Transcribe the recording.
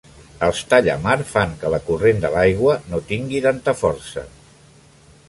Els tallamar fan que la corrent de l'aigua no tingui tanta força.